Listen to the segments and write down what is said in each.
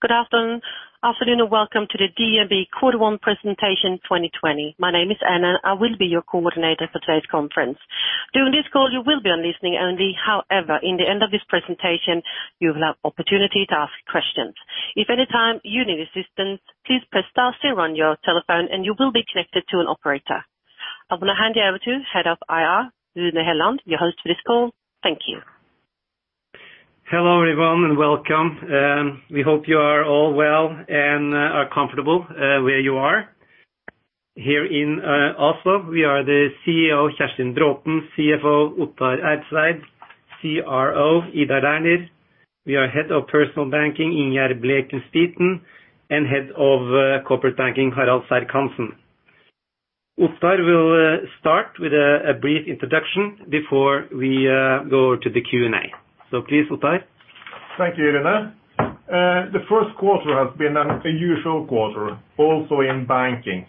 Good afternoon, welcome to the DNB quarter one presentation 2020. My name is Anna. I will be your coordinator for today's conference. During this call, you will be on listening only. In the end of this presentation, you will have opportunity to ask questions. If at any time you need assistance, please press star zero on your telephone, and you will be connected to an operator. I'm going to hand you over to Head of IR, Rune Helland, your host for this call. Thank you. Hello, everyone, and welcome. We hope you are all well and are comfortable where you are. Here in Oslo, we are the CEO, Kjerstin Braathen, CFO, Ottar Ertzeid, CRO, Ida Lerner. We have Head of Personal Banking, Ingjerd Blekeli Spiten, and Head of Corporate Banking, Harald Serck-Hanssen. Ottar will start with a brief introduction before we go to the Q&A. Please, Ottar. Thank you, Rune. The first quarter has been an unusual quarter, also in banking.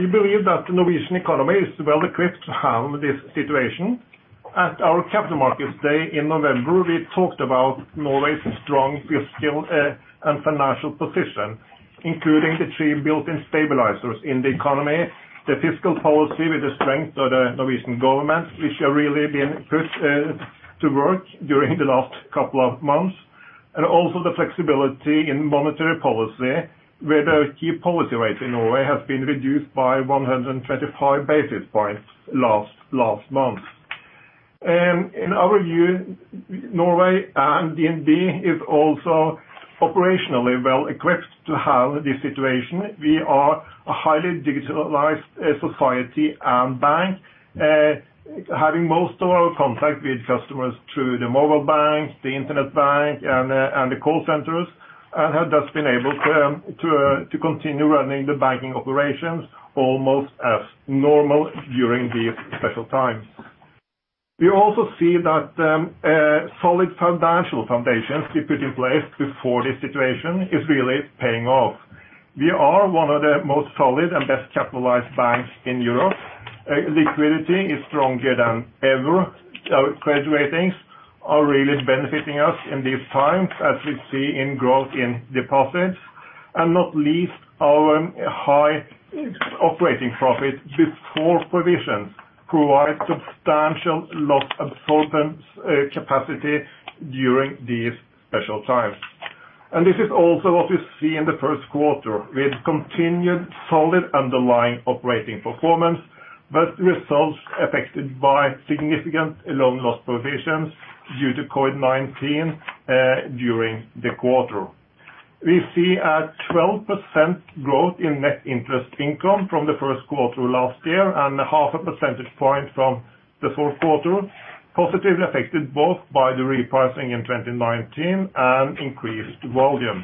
We believe that the Norwegian economy is well equipped to handle this situation. At our Capital Markets Day in November, we talked about Norway's strong fiscal and financial position, including the three built-in stabilizers in the economy, the fiscal policy with the strength of the Norwegian government, which have really been put to work during the last couple of months, and also the flexibility in monetary policy, where the key policy rate in Norway has been reduced by 125 basis points last month. In our view, Norway and DNB is also operationally well equipped to handle this situation. We are a highly digitalized society and bank, having most of our contact with customers through the mobile banks, the internet bank, and the call centers, and have thus been able to continue running the banking operations almost as normal during these special times. We also see that solid financial foundations we put in place before this situation is really paying off. We are one of the most solid and best-capitalized banks in Europe. Liquidity is stronger than ever. Our credit ratings are really benefiting us in these times, as we see in growth in deposits. Not least, our high operating profit before provisions provide substantial loss absorption capacity during these special times. This is also what we see in the first quarter, with continued solid underlying operating performance, but results affected by significant loan loss provisions due to COVID-19 during the quarter. We see a 12% growth in net interest income from the first quarter last year and half a percentage point from the fourth quarter, positively affected both by the repricing in 2019 and increased volume.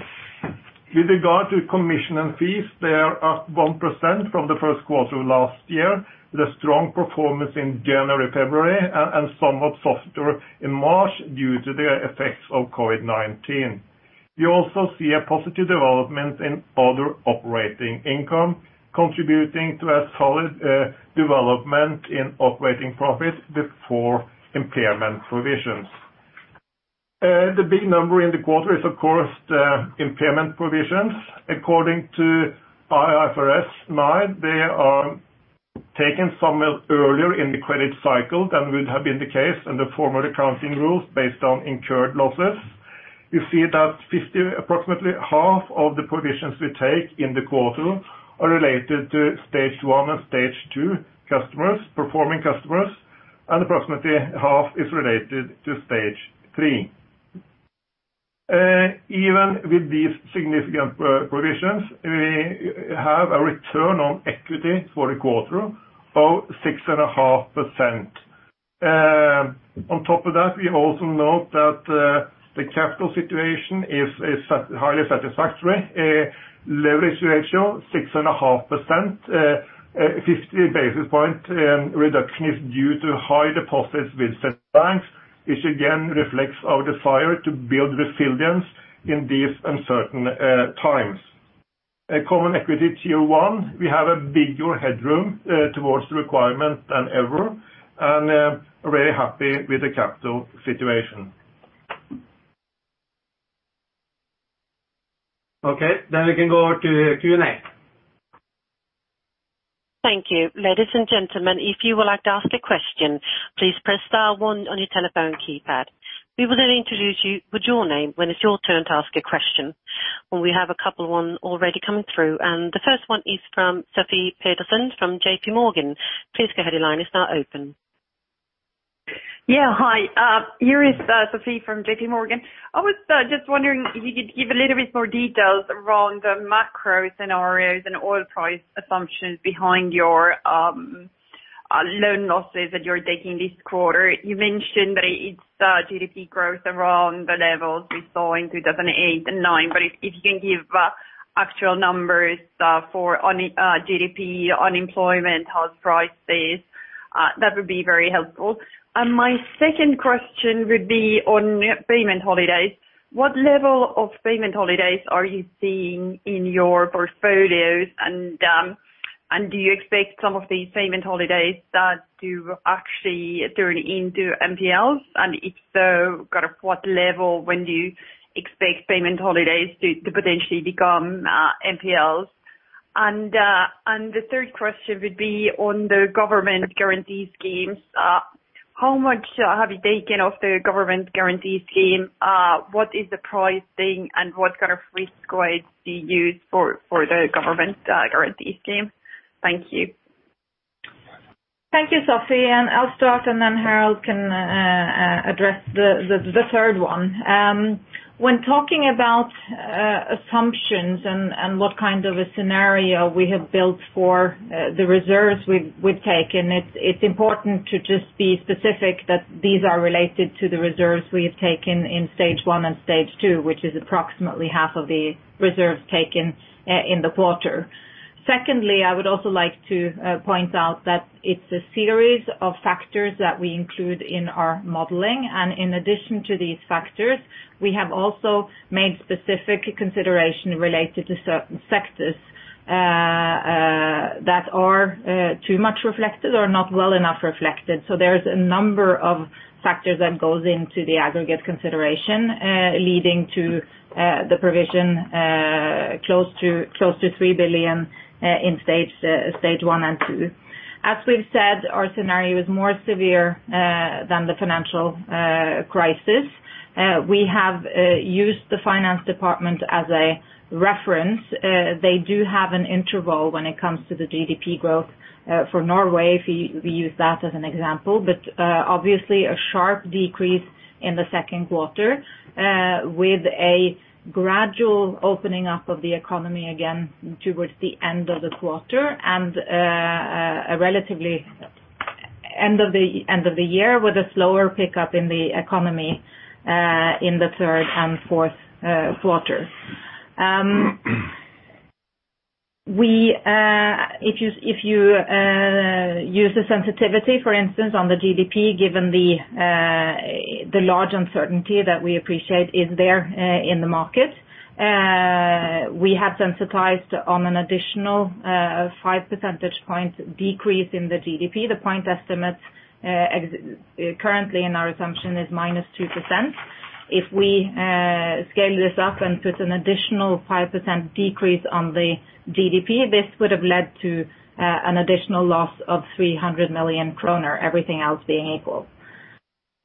With regard to commission and fees, they are up 1% from the first quarter of last year. The strong performance in January, February, and somewhat softer in March, due to the effects of COVID-19. We also see a positive development in other operating income, contributing to a solid development in operating profit before impairment provisions. The big number in the quarter is, of course, the impairment provisions. According to IFRS 9, they are taken somewhat earlier in the credit cycle than would have been the case under former accounting rules based on incurred losses. We see that approximately half of the provisions we take in the quarter are related to Stage 1 and Stage 2 customers, performing customers, and approximately half is related to Stage 3. Even with these significant provisions, we have a return on equity for the quarter of 6.5%. On top of that, we also note that the capital situation is highly satisfactory. Leverage ratio 6.5%, a 50 basis point reduction is due to high deposits with central banks, which again reflects our desire to build resilience in these uncertain times. A common equity Tier 1, we have a bigger headroom towards the requirement than ever and are very happy with the capital situation. Okay, we can go to Q&A. Thank you. Ladies and gentlemen, if you would like to ask a question, please press star one on your telephone keypad. We will introduce you with your name when it's your turn to ask a question. Well, we have a couple already coming through, and the first one is from Sofie Peterzens from JPMorgan. Please go ahead. Your line is now open. Yeah. Hi. Here is Sofie from JPMorgan. I was just wondering if you could give a little bit more details around the macro scenarios and oil price assumptions behind your loan losses that you're taking this quarter. You mentioned that it's GDP growth around the levels we saw in 2008 and 2009, if you can give actual numbers for GDP, unemployment, house prices, that would be very helpful. My second question would be on payment holidays. What level of payment holidays are you seeing in your portfolios? Do you expect some of the payment holidays start to actually turn into NPLs? If so, what level when do you expect payment holidays to potentially become NPLs? The third question would be on the government guarantee schemes. How much have you taken of the government guarantee scheme? What is the pricing and what kind of risk weight do you use for the government guarantee scheme? Thank you. Thank you, Sofie. I'll start, and then Harald can address the third one. When talking about assumptions and what kind of a scenario we have built for the reserves we've taken, it's important to just be specific that these are related to the reserves we have taken in Stage 1 and Stage 2, which is approximately half of the reserves taken in the quarter. Secondly, I would also like to point out that it's a series of factors that we include in our modeling. In addition to these factors, we have also made specific consideration related to certain sectors that are too much reflected or not well enough reflected. There's a number of factors that goes into the aggregate consideration, leading to the provision close to 3 billion in Stage 1 and Stage 2. As we've said, our scenario is more severe than the financial crisis. We have used the finance department as a reference. They do have an interval when it comes to the GDP growth for Norway, if we use that as an example. Obviously a sharp decrease in the second quarter, with a gradual opening up of the economy again towards the end of the quarter and a relatively end of the year with a slower pickup in the economy, in the third and fourth quarter. If you use a sensitivity, for instance, on the GDP, given the large uncertainty that we appreciate is there in the market, we have sensitized on an additional five percentage points decrease in the GDP. The point estimates currently in our assumption is -2%. If we scale this up and put an additional 5% decrease on the GDP, this would have led to an additional loss of 300 million kroner, everything else being equal.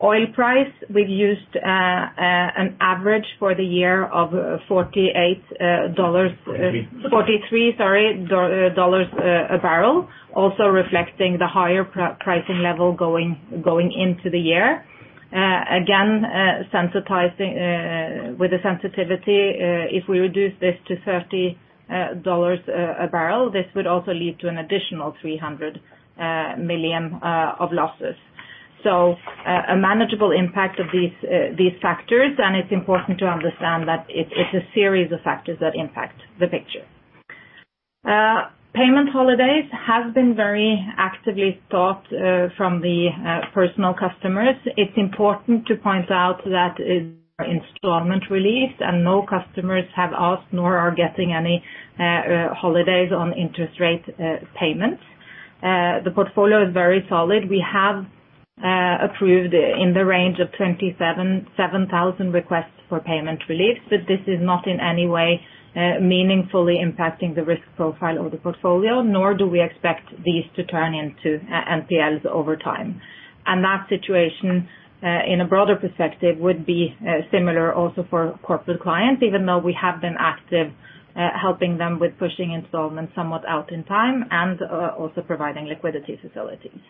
Oil price, we've used an average for the year of $48. $43. $43, sorry, a barrel, also reflecting the higher pricing level going into the year. With the sensitivity, if we reduce this to $30 a barrel, this would also lead to an additional 300 million of losses. A manageable impact of these factors. It's important to understand that it's a series of factors that impact the picture. Payment holidays have been very actively sought from the personal customers. It's important to point out that it's installment relief. No customers have asked nor are getting any holidays on interest rate payments. The portfolio is very solid. We have approved in the range of 27,000 requests for payment relief. This is not in any way meaningfully impacting the risk profile of the portfolio, nor do we expect these to turn into NPLs over time. That situation, in a broader perspective, would be similar also for corporate clients, even though we have been active helping them with pushing installments somewhat out in time and also providing liquidity facilities.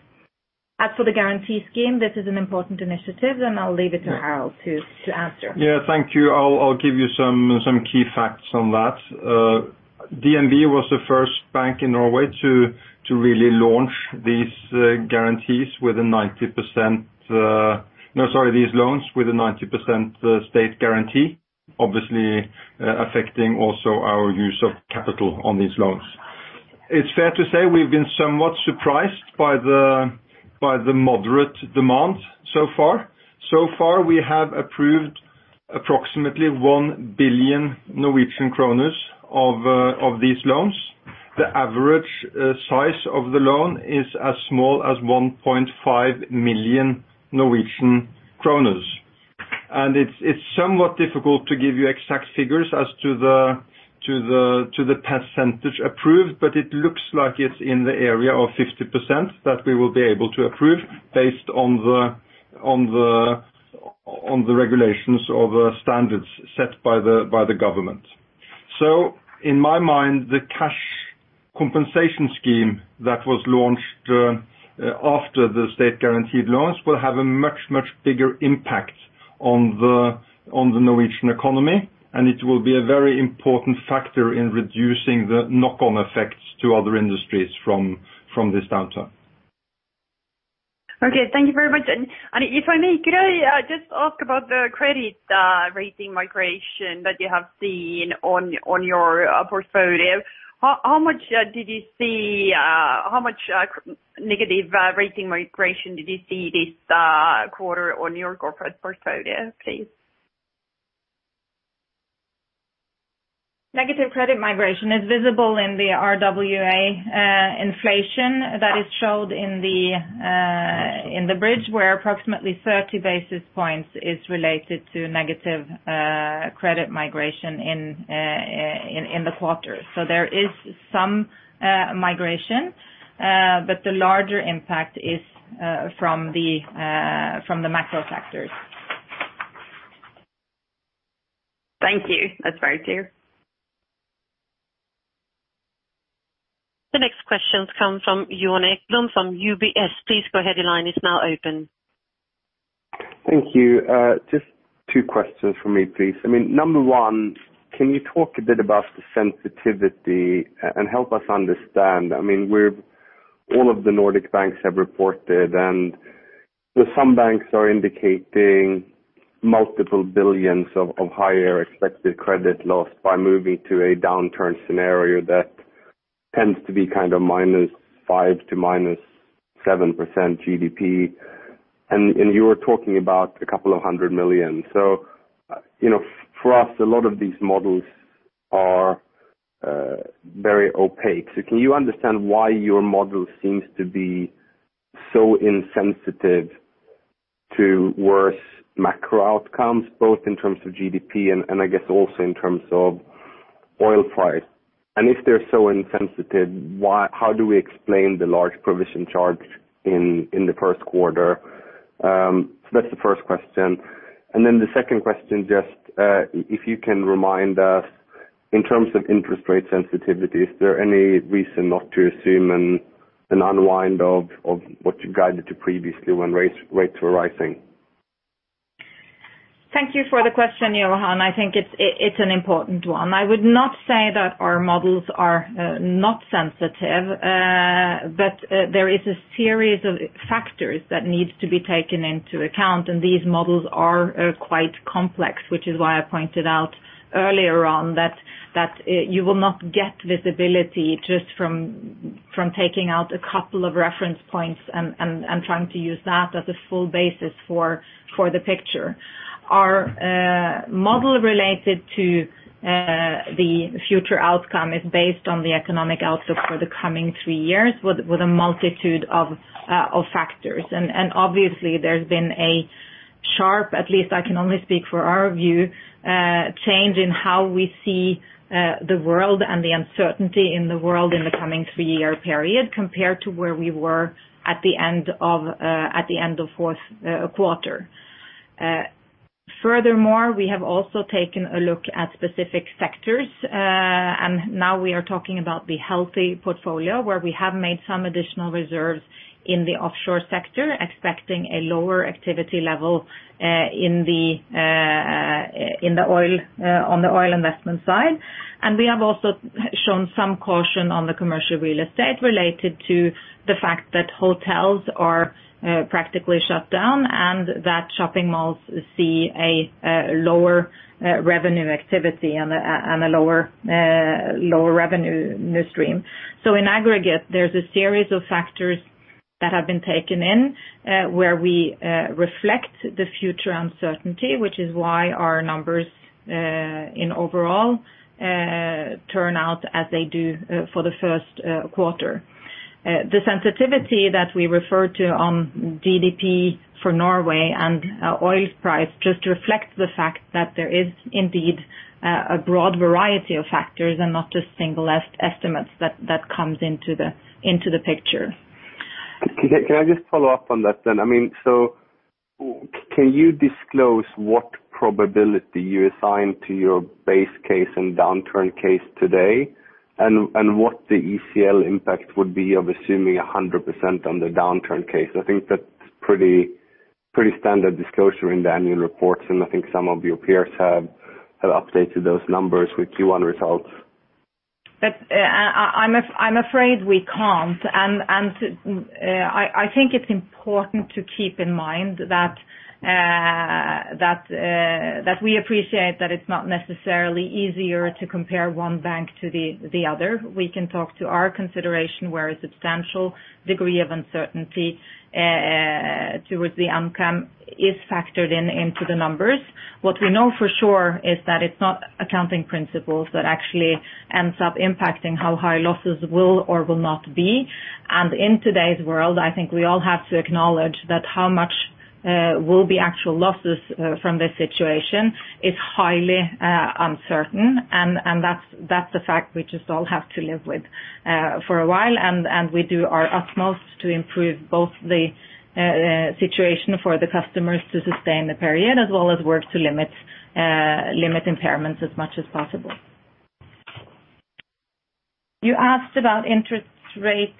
As for the guarantee scheme, this is an important initiative, and I'll leave it to Harald to answer. Yeah. Thank you. I'll give you some key facts on that. DNB was the first bank in Norway to really launch these guarantees with a 90%, no, sorry, these loans with a 90% state guarantee, obviously affecting also our use of capital on these loans. It's fair to say we've been somewhat surprised by the moderate demand so far. So far, we have approved approximately 1 billion Norwegian kroner of these loans. The average size of the loan is as small as 1.5 million Norwegian kroner. It's somewhat difficult to give you exact figures as to the percentage approved, but it looks like it's in the area of 50% that we will be able to approve based on the regulations or the standards set by the government. In my mind, the cash compensation scheme that was launched after the state guaranteed loans will have a much, much bigger impact on the Norwegian economy, and it will be a very important factor in reducing the knock-on effects to other industries from this downturn. Okay. Thank you very much. If I may, could I just ask about the credit rating migration that you have seen on your portfolio. How much negative rating migration did you see this quarter on your corporate portfolio, please? Negative credit migration is visible in the RWA inflation that is showed in the bridge where approximately 30 basis points is related to negative credit migration in the quarter. There is some migration, but the larger impact is from the macro factors. Thank you. That's very clear. The next questions come from Johan Ekblom from UBS. Please go ahead. Your line is now open. Thank you. Just two questions from me, please. Number one, can you talk a bit about the sensitivity and help us understand. All of the Nordic banks have reported, some banks are indicating multiple billions of higher expected credit loss by moving to a downturn scenario that tends to be -5% to -7% GDP. You are talking about a couple of 100 million. For us, a lot of these models are very opaque. Can you understand why your model seems to be so insensitive to worse macro outcomes, both in terms of GDP and I guess also in terms of oil price? If they're so insensitive, how do we explain the large provision charge in the first quarter? That's the first question. The second question, just if you can remind us in terms of interest rate sensitivity, is there any reason not to assume an unwind of what you guided to previously when rates were rising? Thank you for the question, Johan. I think it's an important one. I would not say that our models are not sensitive. There is a series of factors that needs to be taken into account, and these models are quite complex, which is why I pointed out earlier on that you will not get visibility just from taking out a couple of reference points and trying to use that as a full basis for the picture. Our model related to the future outcome is based on the economic outlook for the coming three years with a multitude of factors. Obviously there's been a sharp, at least I can only speak for our view, change in how we see the world and the uncertainty in the world in the coming three-year period compared to where we were at the end of fourth quarter. Furthermore, we have also taken a look at specific sectors. Now we are talking about the healthy portfolio where we have made some additional reserves in the offshore sector, expecting a lower activity level on the oil investment side. We have also shown some caution on the commercial real estate related to the fact that hotels are practically shut down and that shopping malls see a lower revenue activity and a lower revenue stream. In aggregate, there's a series of factors that have been taken in where we reflect the future uncertainty, which is why our numbers in overall turn out as they do for the first quarter. The sensitivity that we refer to on GDP for Norway and oil price just reflects the fact that there is indeed a broad variety of factors and not just single estimates that comes into the picture. Can I just follow up on that? Can you disclose what probability you assign to your base case and downturn case today and what the ECL impact would be of assuming 100% on the downturn case? I think that's pretty standard disclosure in the annual reports, I think some of your peers have updated those numbers with Q1 results. I'm afraid we can't. I think it's important to keep in mind that we appreciate that it's not necessarily easier to compare one bank to the other. We can talk to our consideration where a substantial degree of uncertainty towards the outcome is factored into the numbers. What we know for sure is that it's not accounting principles that actually ends up impacting how high losses will or will not be. In today's world, I think we all have to acknowledge that how much will be actual losses from this situation is highly uncertain, and that's the fact we just all have to live with for a while. We do our utmost to improve both the situation for the customers to sustain the period as well as work to limit impairments as much as possible. You asked about interest rate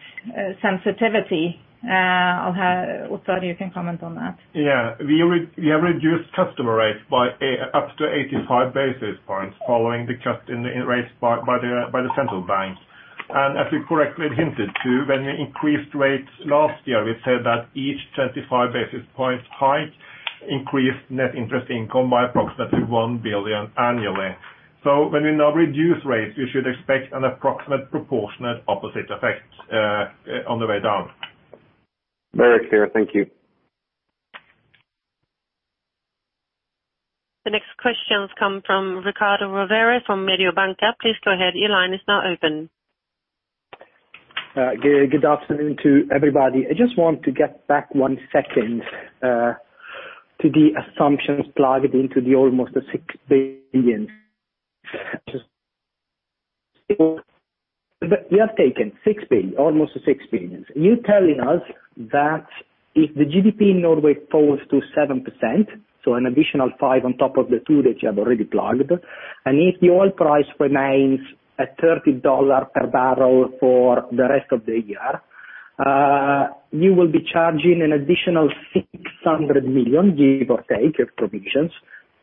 sensitivity. Ottar, you can comment on that. Yeah. We have reduced customer rates by up to 85 basis points following the cut in the rates by the central bank. As we correctly hinted to, when we increased rates last year, we said that each 25 basis point hike increased net interest income by approximately 1 billion annually. When we now reduce rates, you should expect an approximate proportionate opposite effect on the way down. Very clear. Thank you. The next questions come from Riccardo Rovere from Mediobanca. Please go ahead. Your line is now open. Good afternoon to everybody. I just want to get back one second to the assumptions plugged into the almost 6 billion. You have taken almost 6 billion. You're telling us that if the GDP in Norway falls to 7%, so an additional five on top of the two that you have already plugged, and if the oil price remains at $30 per barrel for the rest of the year, you will be charging an additional 600 million, give or take, of provisions.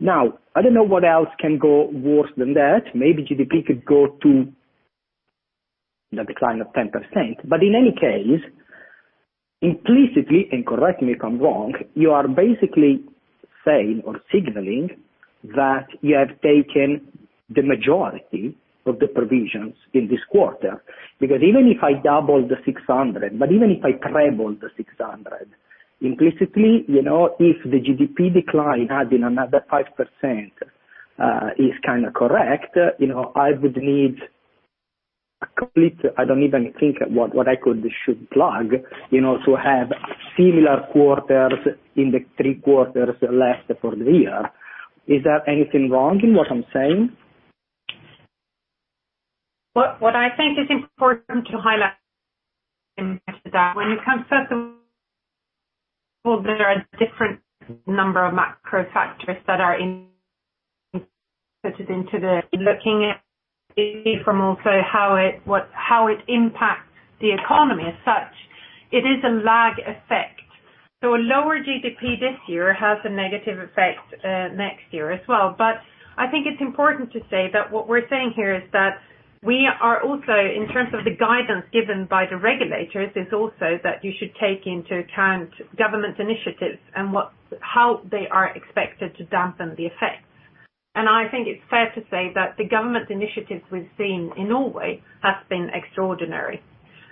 I don't know what else can go worse than that. Maybe GDP could go to the decline of 10%. In any case, implicitly, and correct me if I'm wrong, you are basically saying or signaling that you have taken the majority of the provisions in this quarter. Even if I double the 600, even if I treble the 600, implicitly, if the GDP decline had been another 5%, is kind of correct, I would need a complete I don't even think what I could, should plug to have similar quarters in the three quarters left for the year. Is there anything wrong in what I'm saying? What I think is important to highlight is that when you can first of all, there are different number of macro factors that are in, such as into the looking at it from also how it impacts the economy as such, it is a lag effect. A lower GDP this year has a negative effect next year as well. I think it's important to say that what we're saying here is that we are also, in terms of the guidance given by the regulators, is also that you should take into account government initiatives and how they are expected to dampen the effects. I think it's fair to say that the government initiatives we've seen in Norway have been extraordinary.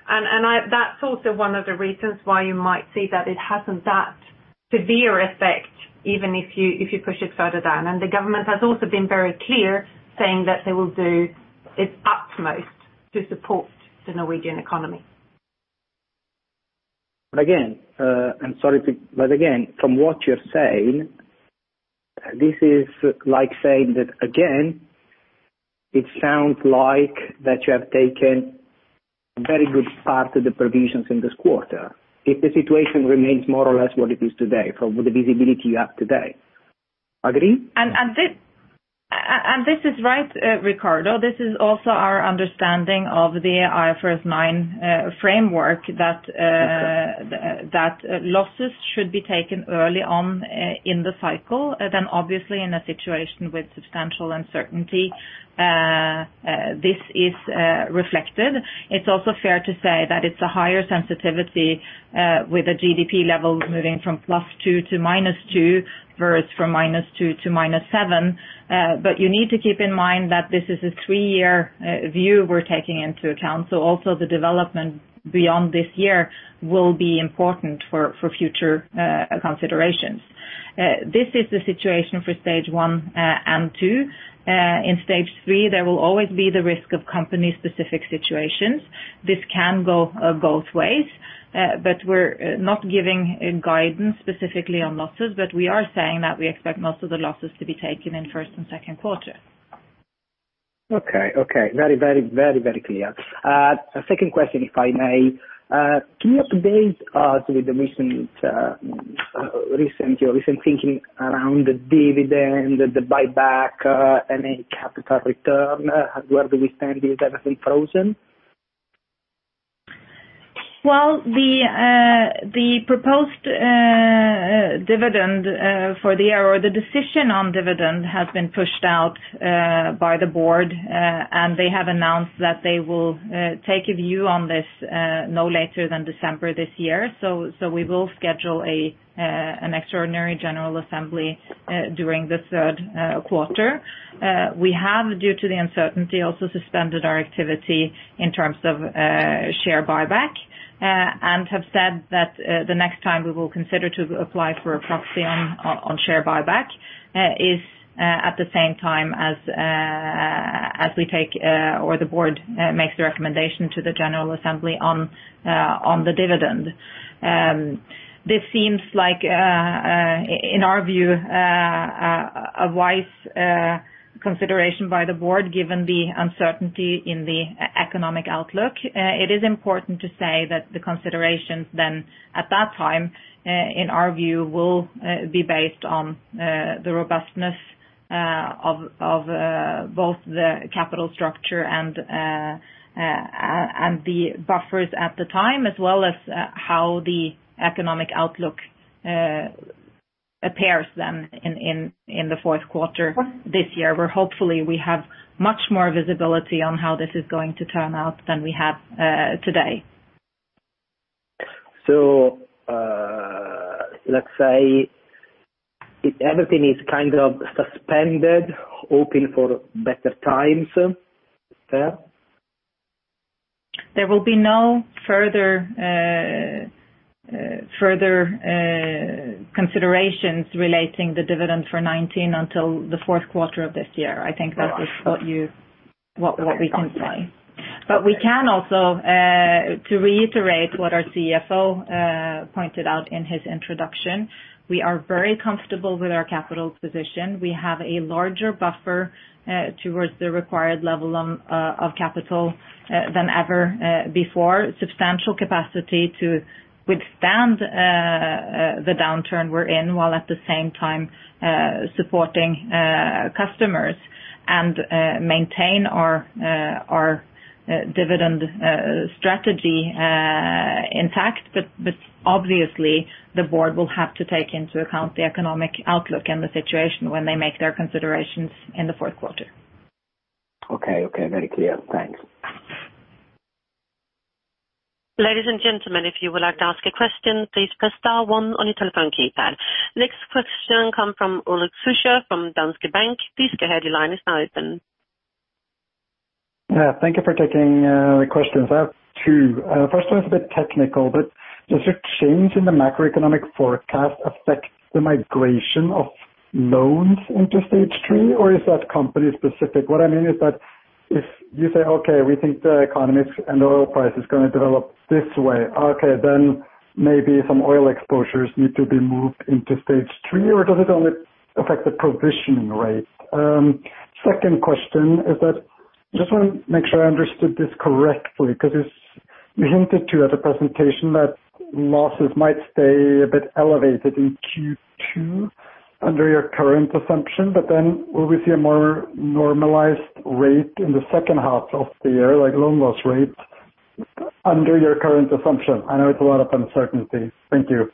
That's also one of the reasons why you might see that it hasn't that severe effect, even if you push it further down. The government has also been very clear, saying that they will do its utmost to support the Norwegian economy. Again, from what you're saying, this is like saying that again, it sounds like that you have taken a very good part of the provisions in this quarter if the situation remains more or less what it is today from the visibility you have today. Agree? This is right, Riccardo. This is also our understanding of the IFRS 9 framework that losses should be taken early on in the cycle, obviously in a situation with substantial uncertainty, this is reflected. It's also fair to say that it's a higher sensitivity with a GDP level moving from +2 to -2, versus from -2 to -7. You need to keep in mind that this is a three-year view we're taking into account. Also the development beyond this year will be important for future considerations. This is the situation for Stage 1 and Stage 2. In Stage 3, there will always be the risk of company specific situations. This can go both ways. We're not giving a guidance specifically on losses, but we are saying that we expect most of the losses to be taken in first and second quarter. Okay. Very clear. A second question, if I may. Can you update us with your recent thinking around the dividend, the buyback, any capital return? Where do we stand? Is everything frozen? The proposed dividend for the year, or the decision on dividend has been pushed out by the board, and they have announced that they will take a view on this no later than December this year. We will schedule an extraordinary general assembly during the third quarter. We have, due to the uncertainty, also suspended our activity in terms of share buyback, and have said that the next time we will consider to apply for a proxy on share buyback is at the same time as we take, or the board makes the recommendation to the general assembly on the dividend. This seems like, in our view, a wise consideration by the board given the uncertainty in the economic outlook. It is important to say that the considerations then at that time, in our view, will be based on the robustness of both the capital structure and the buffers at the time, as well as how the economic outlook appears then in the fourth quarter this year, where hopefully we have much more visibility on how this is going to turn out than we have today. Let's say everything is kind of suspended, hoping for better times. Fair? There will be no further considerations relating the dividend for 2019 until the fourth quarter of this year. I think that is what we can say. We can also, to reiterate what our CFO pointed out in his introduction, we are very comfortable with our capital position. We have a larger buffer towards the required level of capital than ever before. Substantial capacity to withstand the downturn we're in, while at the same time supporting customers and maintain our dividend strategy intact. Obviously the board will have to take into account the economic outlook and the situation when they make their considerations in the fourth quarter. Okay. Very clear. Thanks. Ladies and gentlemen, if you would like to ask a question, please press star one on your telephone keypad. Next question come from Ulrik Zürcher from Danske Bank. Please go ahead, your line is now open. Yeah. Thank you for taking the questions. I have two. First one is a bit technical, but does a change in the macroeconomic forecast affect the migration of loans into Stage 3, or is that company specific? What I mean is that if you say, "Okay, we think the economies and the oil price is going to develop this way." Okay, maybe some oil exposures need to be moved into Stage 3, or does it only affect the provisioning rate? Second question is that, just want to make sure I understood this correctly, because you hinted to at the presentation that losses might stay a bit elevated in Q2 under your current assumption, but then will we see a more normalized rate in the second half of the year, like loan loss rate under your current assumption? I know it's a lot of uncertainty. Thank you.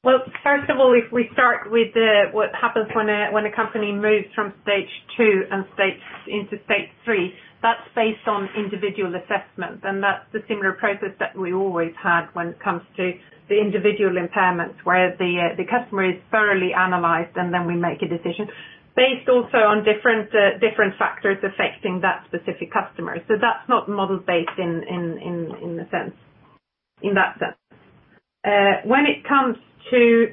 First of all, if we start with what happens when a company moves from Stage 2 into Stage 3, that's based on individual assessment. That's the similar process that we always had when it comes to the individual impairments, where the customer is thoroughly analyzed, and then we make a decision based also on different factors affecting that specific customer. That's not model based in that sense. When it comes to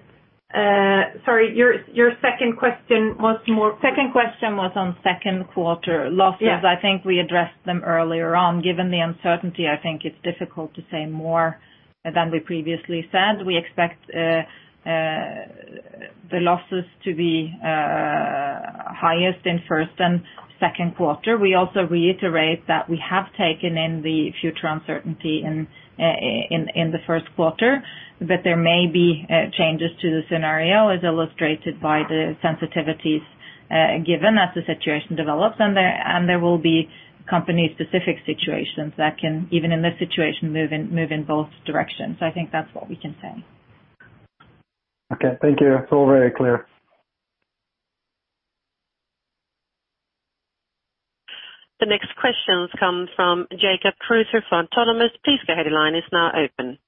Sorry, your second question was more? Second question was on second quarter losses. Yeah. I think we addressed them earlier on. Given the uncertainty, I think it's difficult to say more than we previously said. We expect the losses to be highest in first and second quarter. We also reiterate that we have taken in the future uncertainty in the first quarter, but there may be changes to the scenario as illustrated by the sensitivities given as the situation develops. There will be company specific situations that can, even in this situation, move in both directions. I think that's what we can say. Okay. Thank you. It's all very clear. The next questions come from Jacob Kruse from Autonomous. Please go ahead, your line is now open.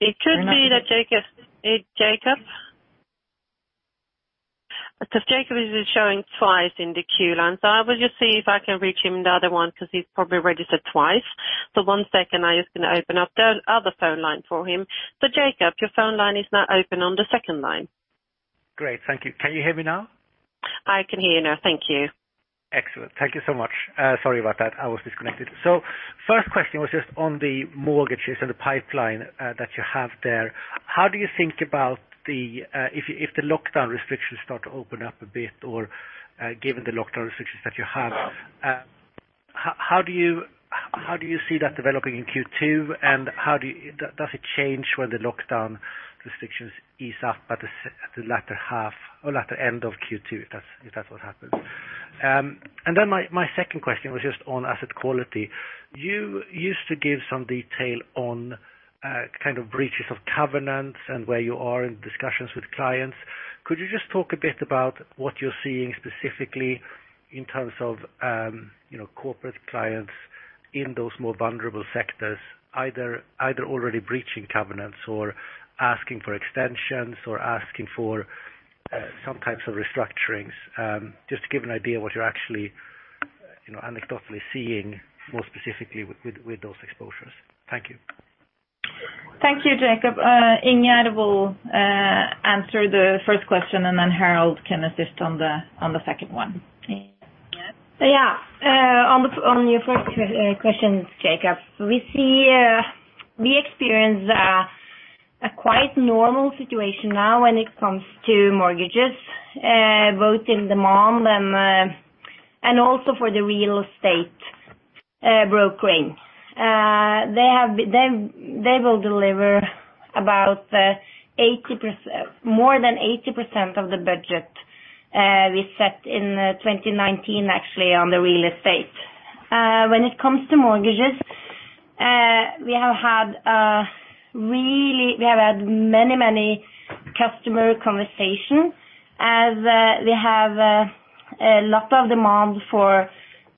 It could be that Jacob? Jacob is showing twice in the queue line, I will just see if I can reach him the other one because he's probably registered twice. One second, I'm just going to open up the other phone line for him. Jacob, your phone line is now open on the second line. Great. Thank you. Can you hear me now? I can hear you now. Thank you. Excellent. Thank you so much. Sorry about that, I was disconnected. First question was just on the mortgages and the pipeline that you have there. How do you think about if the lockdown restrictions start to open up a bit or, given the lockdown restrictions that you have, how do you see that developing in Q2 and does it change when the lockdown restrictions ease up at the latter end of Q2, if that's what happens? My second question was just on asset quality. You used to give some detail on kind of breaches of covenants and where you are in discussions with clients. Could you just talk a bit about what you're seeing specifically in terms of corporate clients in those more vulnerable sectors, either already breaching covenants or asking for extensions or asking for some types of restructurings? Just to give an idea what you're actually anecdotally seeing more specifically with those exposures. Thank you. Thank you, Jacob. Ingjerd will answer the first question, and then Harald can assist on the second one. Ingjerd? Yeah. On your first questions, Jacob, we experience a quite normal situation now when it comes to mortgages, both in the MoM and also for the real estate brokering. They will deliver more than 80% of the budget we set in 2019 actually on the real estate. When it comes to mortgages, we have had many customer conversations As we have a lot of demand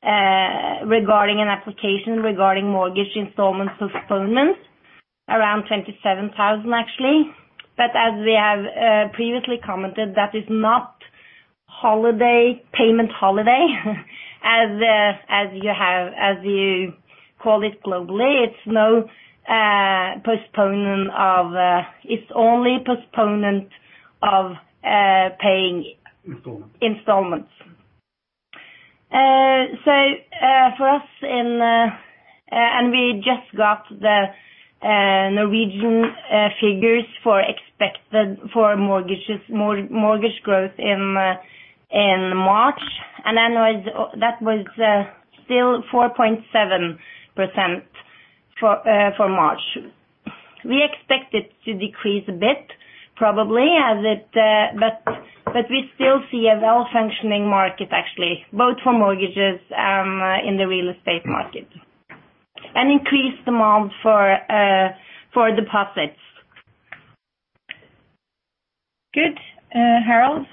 regarding an application regarding mortgage installment postponements, around 27,000 actually. As we have previously commented, that is not payment holiday as you call it globally. It's only postponement of paying installments. Installments. We just got the Norwegian figures for expected mortgage growth in March, and that was still 4.7% for March. We expect it to decrease a bit, probably. We still see a well-functioning market actually, both for mortgages and in the real estate market. An increased demand for deposits. Good. Harald?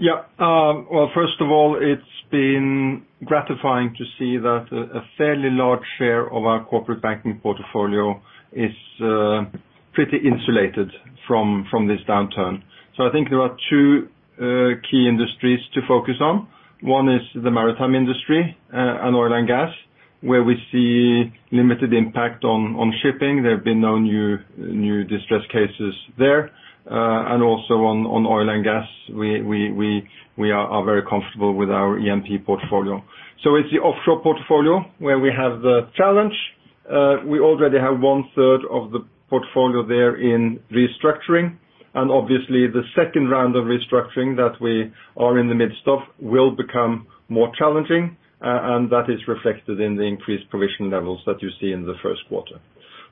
Well, first of all, it's been gratifying to see that a fairly large share of our corporate banking portfolio is pretty insulated from this downturn. I think there are two key industries to focus on. One is the maritime industry, and oil and gas, where we see limited impact on shipping. There have been no new distress cases there. Also on oil and gas, we are very comfortable with our E&P portfolio. It's the offshore portfolio where we have the challenge. We already have 1/3 of the portfolio there in restructuring. Obviously the second round of restructuring that we are in the midst of will become more challenging. That is reflected in the increased provision levels that you see in the first quarter.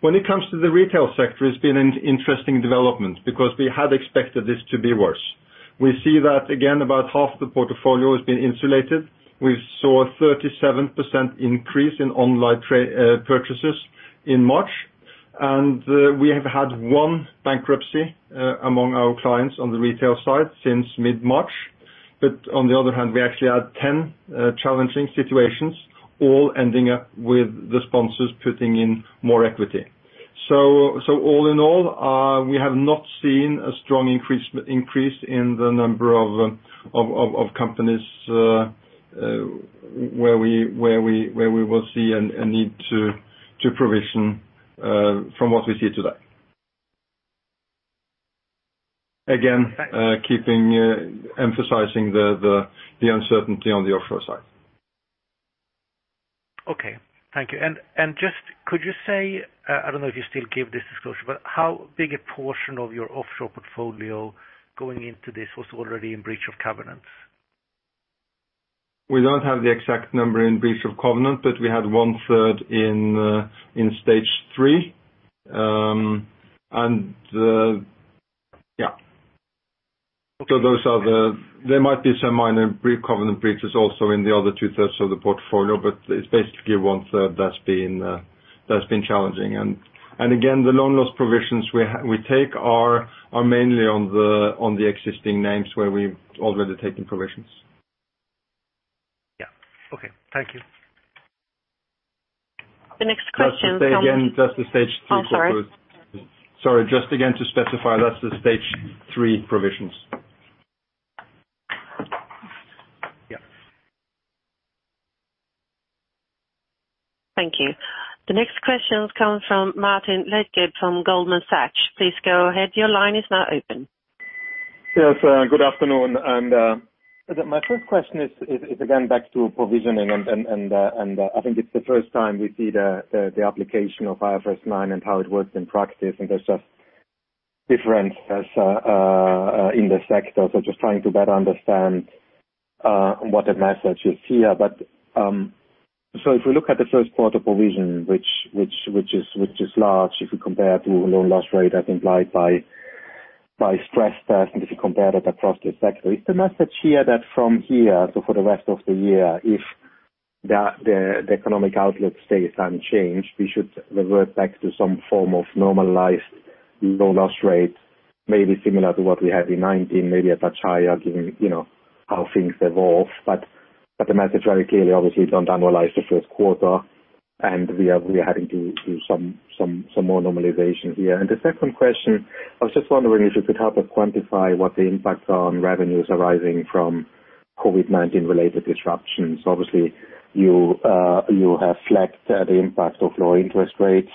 When it comes to the retail sector, it's been an interesting development because we had expected this to be worse. We see that again, about half the portfolio has been insulated. We saw a 37% increase in online purchases in March. We have had one bankruptcy among our clients on the retail side since mid-March. On the other hand, we actually had 10 challenging situations, all ending up with the sponsors putting in more equity. All in all, we have not seen a strong increase in the number of companies where we will see a need to provision from what we see today. Again, emphasizing the uncertainty on the offshore side. Okay. Thank you. Just could you say, I don't know if you still give this disclosure, but how big a portion of your offshore portfolio going into this was already in breach of covenants? We don't have the exact number in breach of covenant, but we had 1/3 in Stage 3. There might be some minor covenant breaches also in the other two-thirds of the portfolio, but it's basically 1/3 that's been challenging. Again, the loan loss provisions we take are mainly on the existing names where we've already taken provisions. Yeah. Okay. Thank you. The next question comes from Just to say again, the Stage 3 portfolio. I'm sorry. Sorry. Just again to specify, that's the Stage 3 provisions. Yeah. Thank you. The next question comes from Martin Leitgeb from Goldman Sachs. Please go ahead. Your line is now open. Yes. Good afternoon. My first question is again back to provisioning and I think it's the first time we see the application of IFRS 9 and how it works in practice and there's just differences in the sector. Just trying to better understand what the message is here. If we look at the first quarter provision, which is large if you compare to loan loss rate as implied by stress test and if you compare that across the sector, is the message here that from here, for the rest of the year, if the economic outlook stays unchanged, we should revert back to some form of normalized loan loss rate, maybe similar to what we had in 2019, maybe a touch higher given how things evolve. The message very clearly, obviously don't annualize the first quarter and we are having to do some more normalization here. The second question, I was just wondering if you could help us quantify what the impacts are on revenues arising from COVID-19 related disruptions. Obviously, you have flagged the impact of low interest rates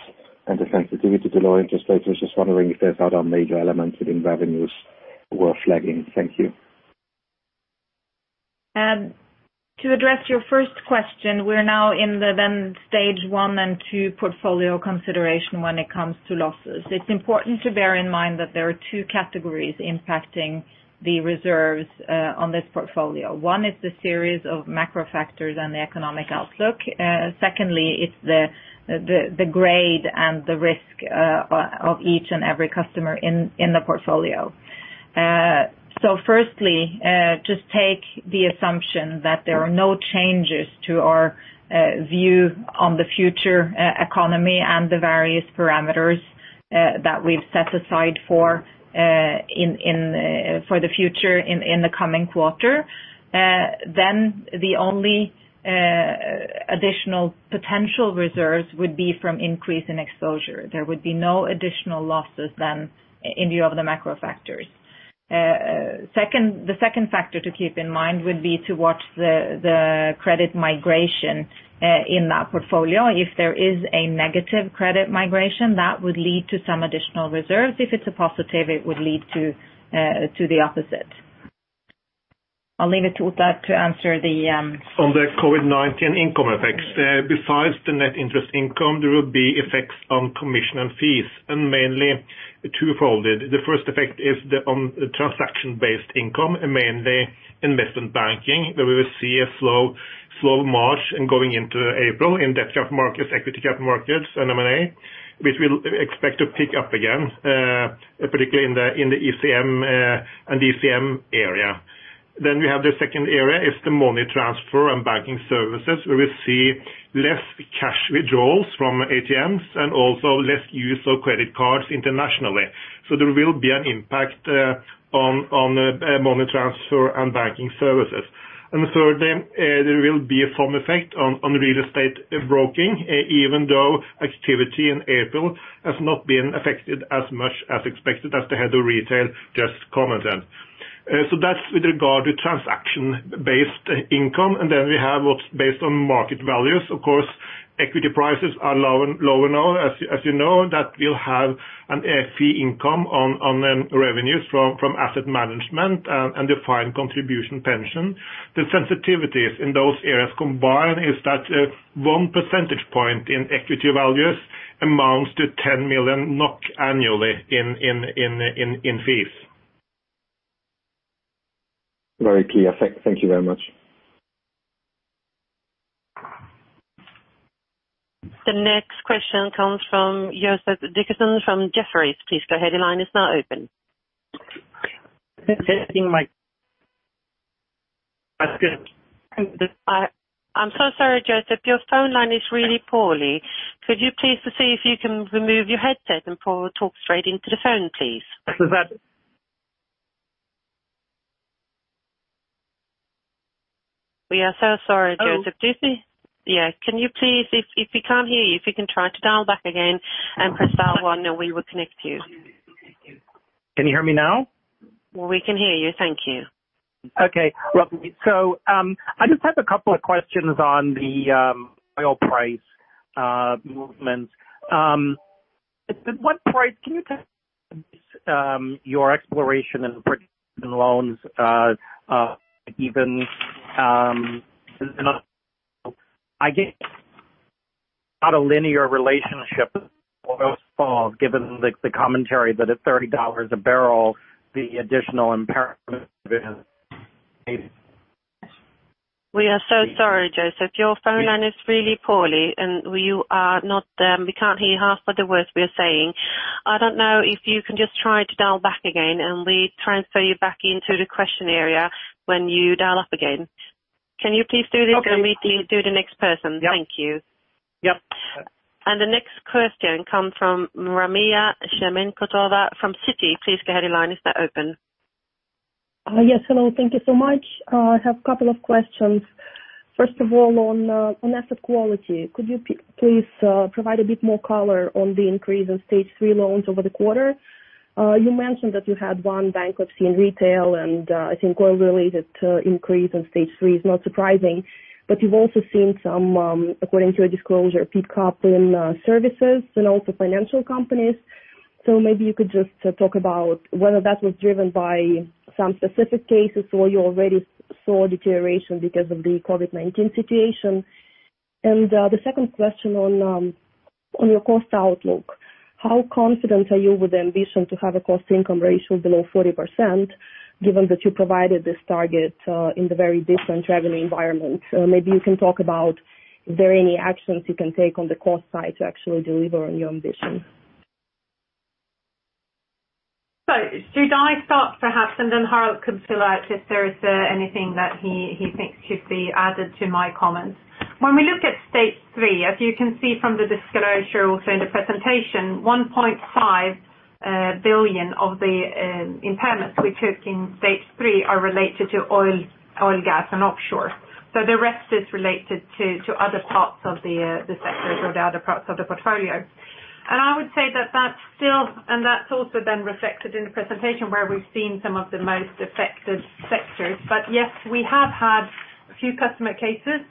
and the sensitivity to low interest rates. I was just wondering if there's other major elements within revenues worth flagging. Thank you. To address your first question, we're now in the then Stage 1 and Stage 2 portfolio consideration when it comes to losses. It's important to bear in mind that there are two categories impacting the reserves on this portfolio. One is the series of macro factors and the economic outlook. Secondly, it's the grade and the risk of each and every customer in the portfolio. Firstly, just take the assumption that there are no changes to our view on the future economy and the various parameters that we've set aside for the future in the coming quarter. The only additional potential reserves would be from increase in exposure. There would be no additional losses then in view of the macro factors. The second factor to keep in mind would be to watch the credit migration in that portfolio. If there is a negative credit migration, that would lead to some additional reserves. If it's a positive, it would lead to the opposite. I'll leave it to Ottar to answer. On the COVID-19 income effects, besides the net interest income, there will be effects on commission and fees, and mainly twofold. The first effect is on the transaction-based income, mainly investment banking, where we will see a slow march and going into April in debt capital markets, equity capital markets, and M&A, which we'll expect to pick up again, particularly in the ECM and DCM area. We have the second area is the money transfer and banking services, where we see less cash withdrawals from ATMs and also less use of credit cards internationally. There will be an impact on money transfer and banking services. Thirdly, there will be some effect on real estate broking, even though activity in April has not been affected as much as expected as the Head of Retail just commented. That's with regard to transaction-based income. We have what's based on market values. Of course, equity prices are lower now. As you know, that will have a fee income on revenues from asset management and defined contribution pension. The sensitivities in those areas combined is that 1 percentage point in equity values amounts to 10 million NOK annually in fees. Very clear. Thank you very much. The next question comes from Joseph Dickerson from Jefferies. Please go ahead. Your line is now open. Testing mic. That's good. I'm so sorry, Joseph. Your phone line is really poorly. Could you please see if you can remove your headset and talk straight into the phone, please? Is that? We are so sorry, Joseph. If we can't hear you, if you can try to dial back again and press star one, and we will connect you. Can you hear me now? We can hear you. Thank you. Okay. Welcome. I just have a couple of questions on the oil price movements. At what price can you tell your exploration and loans even I get not a linear relationship given the commentary that at $30 a barrel, the additional impairment? We are so sorry, Joseph. Your phone line is really poorly, and we can't hear half of the words we are saying. I don't know if you can just try to dial back again, and we transfer you back into the question area when you dial up again. Can you please do this? Okay. We'll do the next person. Yep. Thank you. Yep. The next question comes from [Ramia Shaminkhotova] from Citi. Please go ahead. Your line is now open. Yes. Hello. Thank you so much. I have a couple of questions. First of all, on asset quality, could you please provide a bit more color on the increase in Stage 3 loans over the quarter? You mentioned that you had one bankruptcy in retail and I think oil-related increase in Stage 3 is not surprising, but you've also seen some, according to a disclosure, peak up in services and also financial companies. Maybe you could just talk about whether that was driven by some specific cases or you already saw deterioration because of the COVID-19 situation. The second question on your cost outlook. How confident are you with the ambition to have a cost-income ratio below 40%, given that you provided this target in the very different revenue environment? Maybe you can talk about if there are any actions you can take on the cost side to actually deliver on your ambition? Should I start perhaps, and then Harald could fill out if there is anything that he thinks should be added to my comments. When we look at Stage 3, as you can see from the disclosure also in the presentation, 1.5 billion of the impairments we took in Stage 3 are related to oil, gas, and offshore. The rest is related to other parts of the sectors or the other parts of the portfolio. I would say that, and that's also then reflected in the presentation where we've seen some of the most affected sectors. Yes, we have had a few customer cases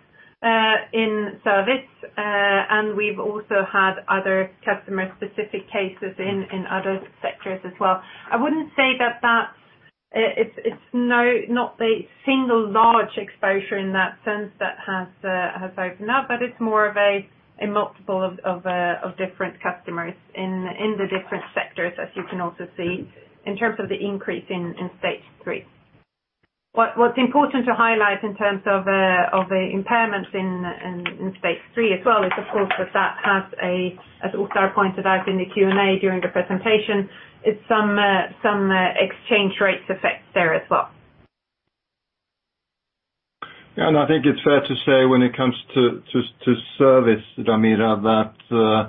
in service, and we've also had other customer-specific cases in other sectors as well. I wouldn't say that it's not the single large exposure in that sense that has opened up, but it's more of a multiple of different customers in the different sectors, as you can also see in terms of the increase in Stage 3. What's important to highlight in terms of the impairments in Stage 3 as well is, of course, that has a, as also pointed out in the Q&A during the presentation, some exchange rates effects there as well. I think it's fair to say when it comes to service, Ronit, that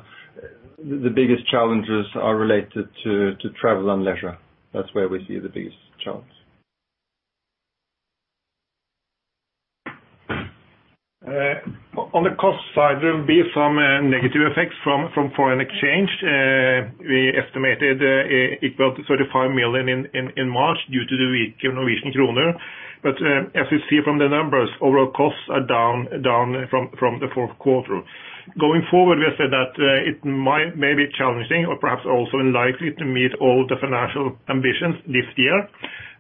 the biggest challenges are related to travel and leisure. That's where we see the biggest challenge. On the cost side, there will be some negative effects from foreign exchange. We estimated equal to 35 million in March due to the weak Norwegian krone. As you see from the numbers, overall costs are down from the fourth quarter. Going forward, we have said that it may be challenging or perhaps also unlikely to meet all the financial ambitions this year,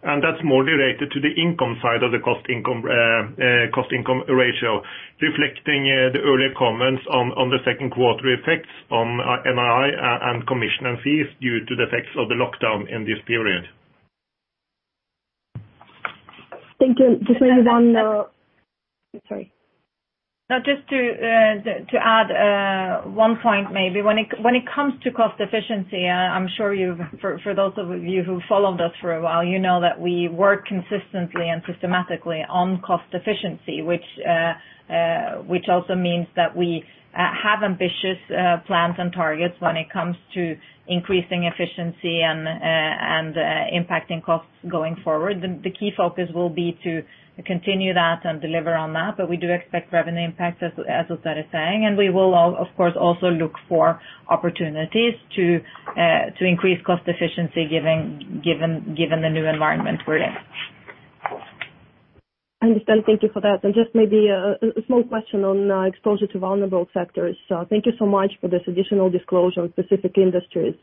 that's more related to the income side of the cost-income ratio, reflecting the earlier comments on the second quarter effects on NII and commission and fees due to the effects of the lockdown in this period. Thank you. Just maybe one Sorry. No, just to add one point maybe. When it comes to cost efficiency, I'm sure for those of you who followed us for a while, you know that we work consistently and systematically on cost efficiency, which also means that we have ambitious plans and targets when it comes to increasing efficiency and impacting costs going forward. The key focus will be to continue that and deliver on that. But we do expect revenue impacts, as Ottar is saying, and we will of course also look for opportunities to increase cost efficiency given the new environment we're in. I understand. Thank you for that. Just maybe a small question on exposure to vulnerable sectors. Thank you so much for this additional disclosure on specific industries.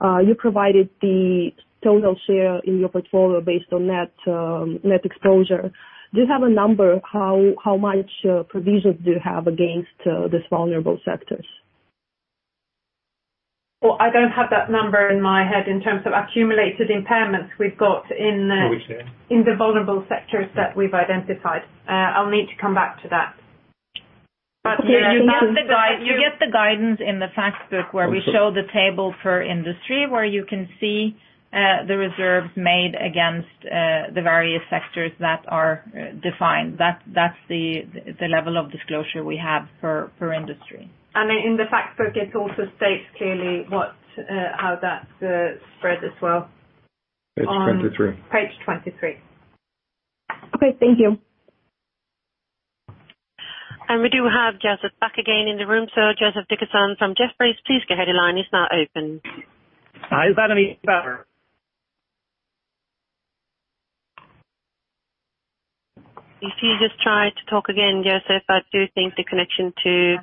You provided the total share in your portfolio based on net exposure. Do you have a number how much provisions do you have against these vulnerable sectors? Well, I don't have that number in my head in terms of accumulated impairments we've got. Norwegian in the vulnerable sectors that we've identified. I'll need to come back to that. Okay. Thank you. You get the guidance in the fact book where we show the table per industry, where you can see the reserves made against the various sectors that are defined. That's the level of disclosure we have per industry. In the fact book, it also states clearly how that's spread as well. Page 23. Page 23. Okay. Thank you. We do have Joseph back again in the room. Joseph Dickerson from Jefferies, please go ahead. Your line is now open. Is that any better? If you just try to talk again, Joseph. I do think the connection to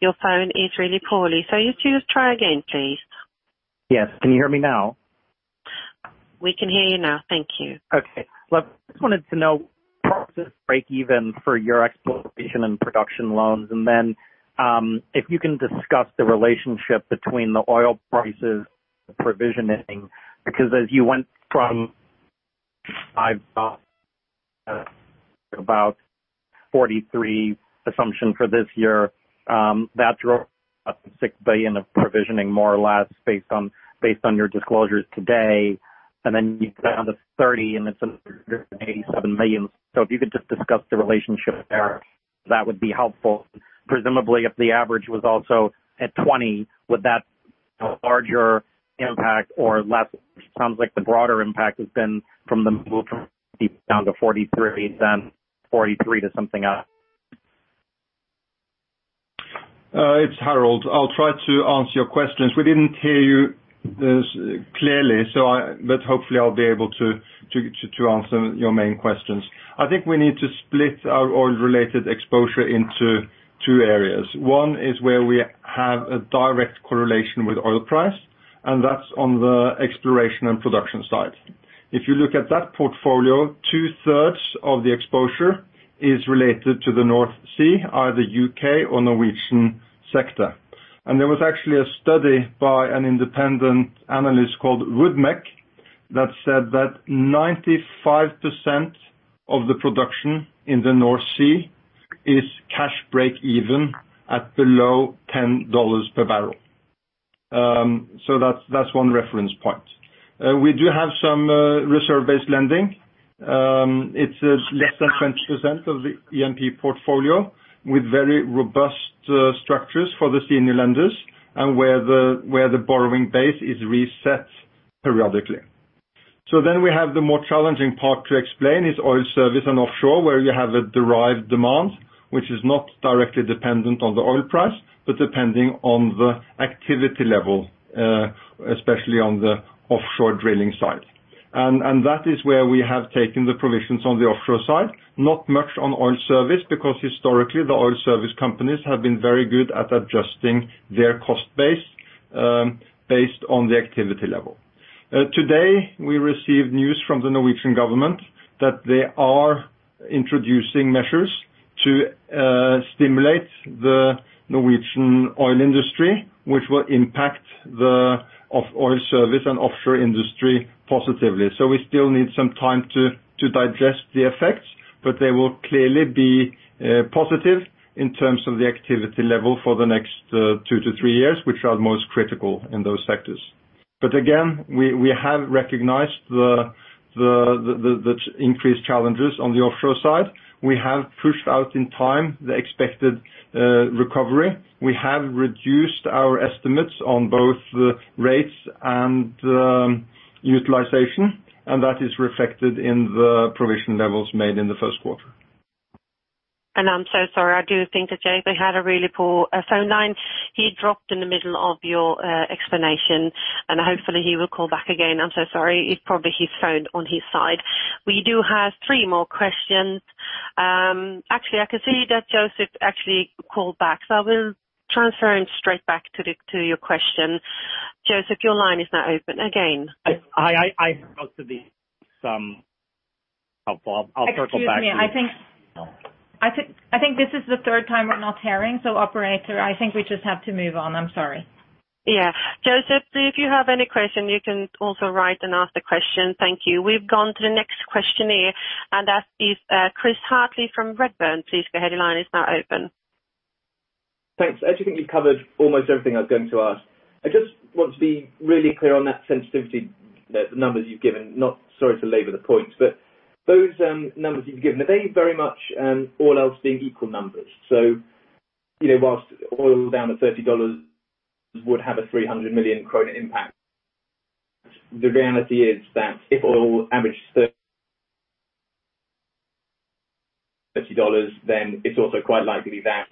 your phone is really poorly. If you just try again, please. Yes. Can you hear me now? We can hear you now. Thank you. Okay. Well, I just wanted to know break even for your exploration and production loans. If you can discuss the relationship between the oil prices and the provisioning. As you went from, I've got about $43 assumption for this year, that drove up 6 billion of provisioning, more or less, based on your disclosures today. You go down to $30, it's 87 million. If you could just discuss the relationship there, that would be helpful. Presumably, if the average was also at $20, would that a larger impact or less? It sounds like the broader impact has been from the move from $50 down to $43 than $43 to something else. It's Harald. I'll try to answer your questions. We didn't hear you clearly, but hopefully I'll be able to answer your main questions. I think we need to split our oil-related exposure into two areas. One is where we have a direct correlation with oil price, and that's on the exploration and production side. If you look at that portfolio, 2/3 of the exposure is related to the North Sea, either U.K. or Norwegian sector. There was actually a study by an independent analyst called Rudmeck that said that 95% of the production in the North Sea is cash break even at below $10 per barrel. That's one reference point. We do have some reserve-based lending. It's less than 20% of the E&P portfolio with very robust structures for the senior lenders and where the borrowing base is reset periodically. We have the more challenging part to explain is oil service and offshore, where you have a derived demand, which is not directly dependent on the oil price, but depending on the activity level, especially on the offshore drilling side. That is where we have taken the provisions on the offshore side. Not much on oil service, because historically, the oil service companies have been very good at adjusting their cost base based on the activity level. Today, we received news from the Norwegian government that they are introducing measures to stimulate the Norwegian oil industry, which will impact the oil service and offshore industry positively. We still need some time to digest the effects, but they will clearly be positive in terms of the activity level for the next two to three years, which are the most critical in those sectors. Again, we have recognized the increased challenges on the offshore side. We have pushed out in time the expected recovery. We have reduced our estimates on both the rates and the utilization, and that is reflected in the provision levels made in the first quarter. I'm so sorry. I do think that Joseph had a really poor phone line. He dropped in the middle of your explanation. Hopefully he will call back again. I'm so sorry. It's probably his phone on his side. We do have three more questions. Actually, I can see that Joseph actually called back. I will transfer him straight back to your question. Joseph, your line is now open again. I hope to be some helpful. I'll circle back to you. Excuse me. I think this is the third time we're not hearing. Operator, I think we just have to move on. I'm sorry. Yeah. Joseph, if you have any question, you can also write and ask the question. Thank you. We've gone to the next question here. That is Chris Hartley from Redburn. Please go ahead. Your line is now open. Thanks. I actually think you've covered almost everything I was going to ask. I just want to be really clear on that sensitivity, the numbers you've given. Sorry to labor the point, those numbers you've given, are they very much all else being equal numbers? Whilst oil down to $30 would have a 300 million krone impact, the reality is that if oil averaged $30, then it's also quite likely that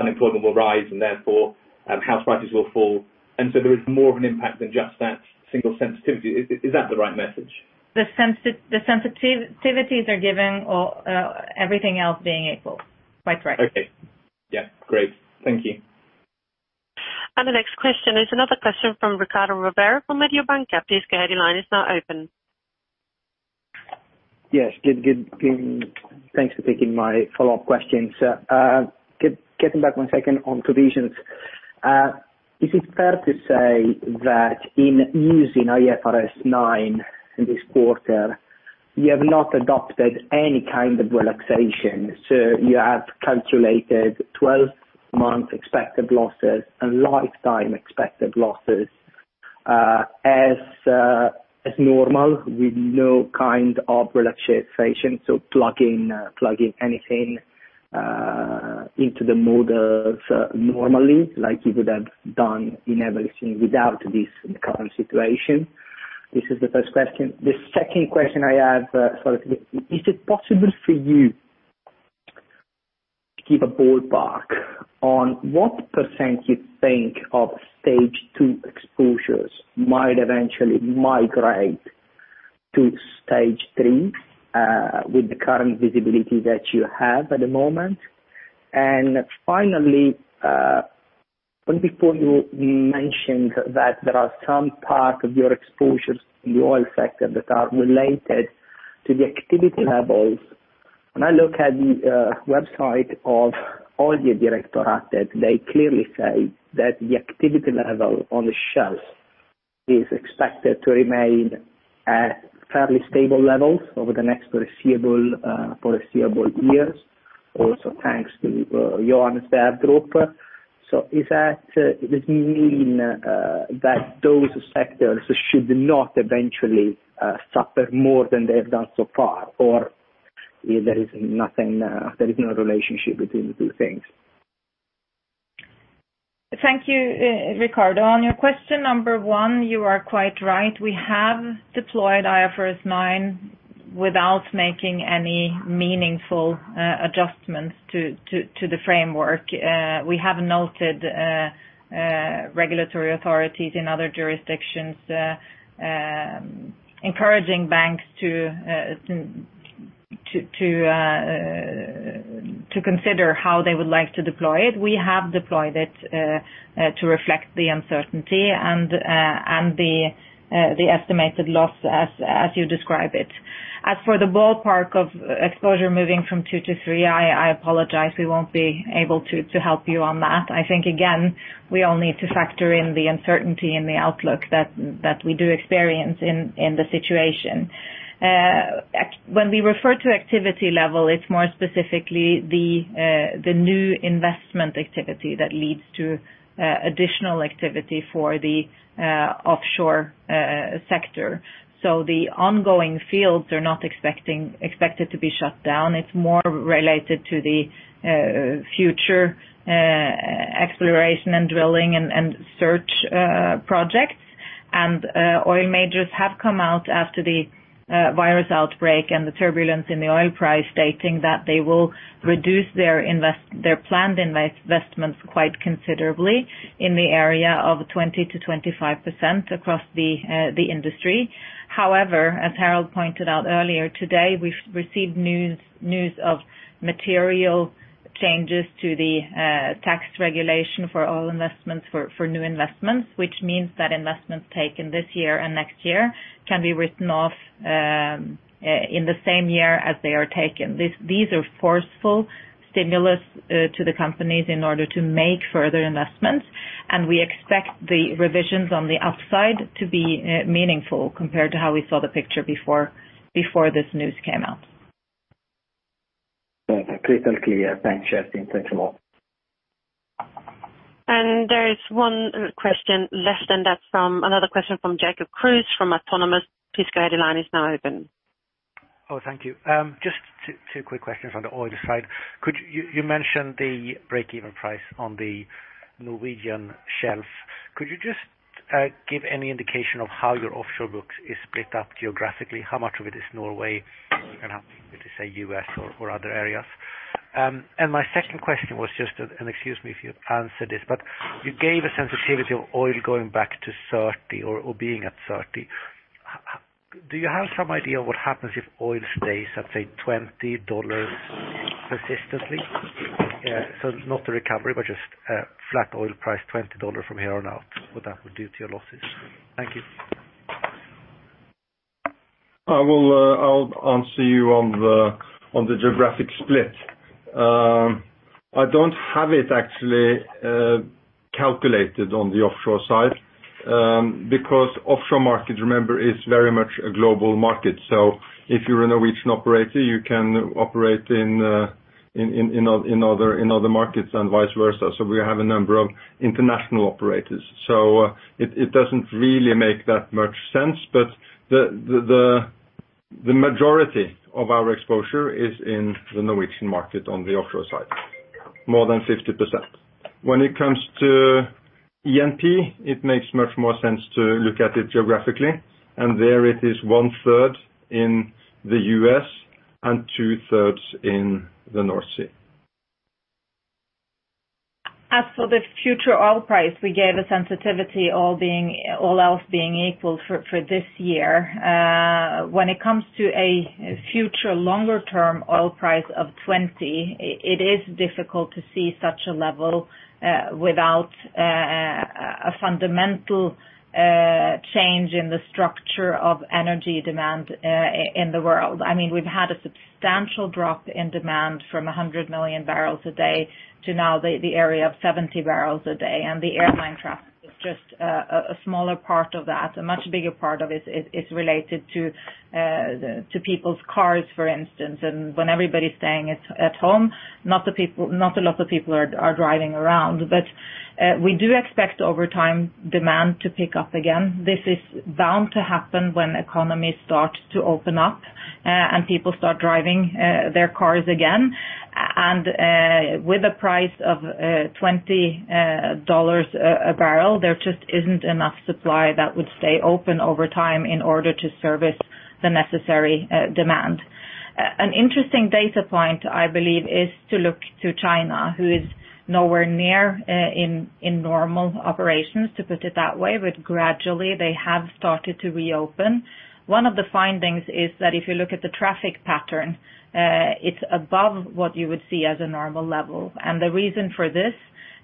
unemployment will rise and therefore house prices will fall. There is more of an impact than just that single sensitivity. Is that the right message? The sensitivities are given, everything else being equal. Quite correct. Okay. Yeah. Great. Thank you. The next question is another question from Riccardo Rovere from Mediobanca. Please go ahead. Your line is now open. Yes. Good. Thanks for taking my follow-up questions. Getting back one second on provisions. Is it fair to say that in using IFRS 9 in this quarter, you have not adopted any kind of relaxation, so you have calculated 12 months expected losses and lifetime expected losses, as normal with no kind of relaxation, so plugging anything into the models normally like you would have done in everything without this current situation? This is the first question. The second question I have, is it possible for you to give a ballpark on what % you think of Stage 2 exposures might eventually migrate to Stage 3, with the current visibility that you have at the moment? Finally, before you mentioned that there are some part of your exposures in the oil sector that are related to the activity levels? When I look at the website of Oljedirektoratet, they clearly say that the activity level on the shelf is expected to remain at fairly stable levels over the next foreseeable years. Also, thanks to Johan Sverdrup. Does this mean that those sectors should not eventually suffer more than they have done so far? There is no relationship between the two things? Thank you, Riccardo. On your question number one, you are quite right. We have deployed IFRS 9 without making any meaningful adjustments to the framework. We have noted regulatory authorities in other jurisdictions encouraging banks to consider how they would like to deploy it. We have deployed it to reflect the uncertainty and the estimated loss as you describe it. As for the ballpark of exposure moving from two to three, I apologize, we won't be able to help you on that. I think, again, we all need to factor in the uncertainty and the outlook that we do experience in the situation. When we refer to activity level, it's more specifically the new investment activity that leads to additional activity for the offshore sector. The ongoing fields are not expected to be shut down. It's more related to the future exploration and drilling and search projects. Oil majors have come out after the virus outbreak and the turbulence in the oil price, stating that they will reduce their planned investments quite considerably in the area of 20%-25% across the industry. However, as Harald pointed out earlier today, we've received news of material changes to the tax regulation for oil investments, for new investments, which means that investments taken this year and next year can be written off in the same year as they are taken. These are forceful stimulus to the companies in order to make further investments, and we expect the revisions on the upside to be meaningful compared to how we saw the picture before this news came out. Clear and clear. Thanks, Kjerstin. Thanks a lot. There is one question less than that from another question from Jacob Kruse from Autonomous. Please go ahead. The line is now open. Oh, thank you. Just two quick questions on the oil side. You mentioned the break-even price on the Norwegian shelf. Could you just give any indication of how your offshore books is split up geographically? How much of it is Norway and how much of it is U.S. or other areas? My second question was just, and excuse me if you answered this, but you gave a sensitivity of oil going back to $30 or being at $30. Do you have some idea what happens if oil stays at $20 persistently? Not the recovery, but just a flat oil price, $20 from here on out, what that would do to your losses? Thank you. I'll answer you on the geographic split. I don't have it actually calculated on the offshore side because offshore market, remember, is very much a global market. If you are a Norwegian operator, you can operate in other markets and vice versa. We have a number of international operators. It doesn't really make that much sense. The majority of our exposure is in the Norwegian market on the offshore side, more than 50%. When it comes to E&P, it makes much more sense to look at it geographically, and there it is 1/3 in the U.S., and 2/3 in the North Sea. As for the future oil price, we gave a sensitivity, all else being equal for this year. When it comes to a future longer-term oil price of $20, it is difficult to see such a level without a fundamental change in the structure of energy demand in the world. We've had a substantial drop in demand from 100 million barrels a day to now the area of 70 million barrels a day, and the airline traffic is just a smaller part of that. A much bigger part of it is related to people's cars, for instance. When everybody is staying at home, not a lot of people are driving around. We do expect over time demand to pick up again. This is bound to happen when economies start to open up and people start driving their cars again. With a price of $20 a barrel, there just isn't enough supply that would stay open over time in order to service the necessary demand. An interesting data point, I believe, is to look to China, who is nowhere near in normal operations, to put it that way, but gradually they have started to reopen. One of the findings is that if you look at the traffic pattern, it's above what you would see as a normal level. The reason for this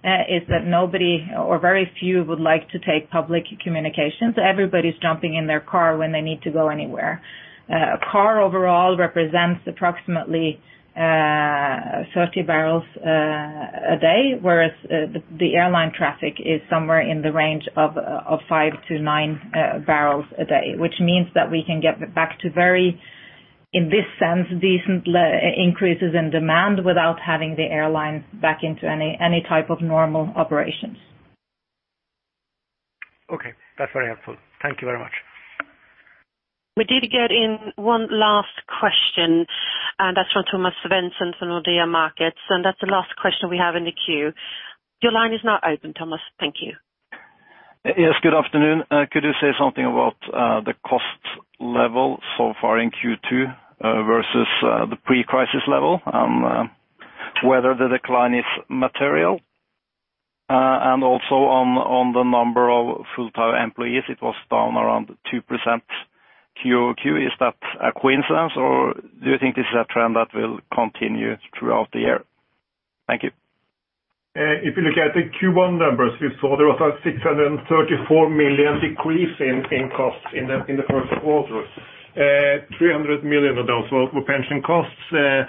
is that nobody or very few would like to take public communication. Everybody is jumping in their car when they need to go anywhere. A car overall represents approximately 30 million barrels a day, whereas the airline traffic is somewhere in the range of 5 million-9 million barrels a day, which means that we can get back to very, in this sense, decent increases in demand without having the airlines back into any type of normal operations. Okay. That's very helpful. Thank you very much. We did get in one last question, and that's from Thomas Svendsen from Nordea Markets, and that's the last question we have in the queue. Your line is now open, Thomas. Thank you. Yes, good afternoon. Could you say something about the cost level so far in Q2 versus the pre-crisis level, and whether the decline is material? Also on the number of full-time employees, it was down around 2% QoQ. Is that a coincidence, or do you think this is a trend that will continue throughout the year? Thank you. If you look at the Q1 numbers, we saw there was a 634 million decrease in costs in the first quarter. 300 million of those were pension costs, part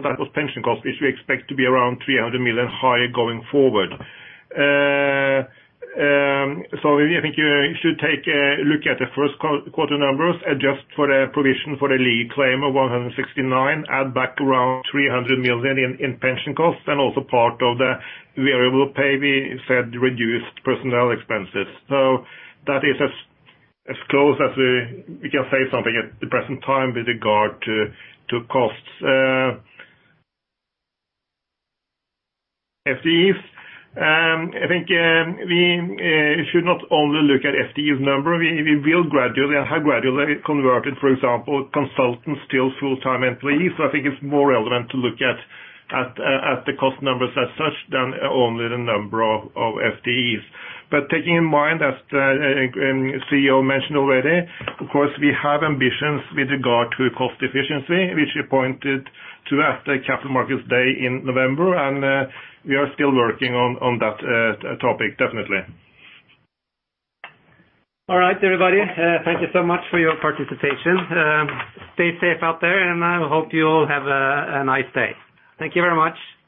of that was pension cost, which we expect to be around 300 million higher going forward. I think you should take a look at the first quarter numbers, adjust for the provision for the lead claim of 169, add back around 300 million in pension costs, and also part of the variable pay we said reduced personnel expenses. That is as close as we can say something at the present time with regard to costs. FTEs, I think we should not only look at FTEs number. We will gradually and have gradually converted, for example, consultants to full-time employees. I think it's more relevant to look at the cost numbers as such than only the number of FTEs. Taking in mind, as CEO mentioned already, of course, we have ambitions with regard to cost efficiency, which we pointed to at the Capital Markets Day in November, and we are still working on that topic, definitely. All right, everybody. Thank you so much for your participation. Stay safe out there, and I hope you all have a nice day. Thank you very much.